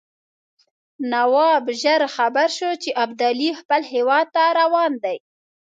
نواب ژر خبر شو چې ابدالي خپل هیواد ته روان دی.